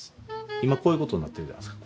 今こういうことになってるじゃないですか。